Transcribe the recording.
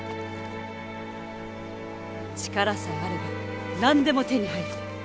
力さえあれば何でも手に入る！